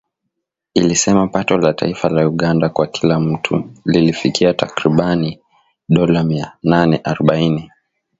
ilisema pato la taifa la Uganda kwa kila mtu lilifikia takriban dola mia nane arobaini